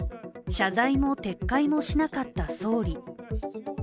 謝罪も撤回もしなかった総理。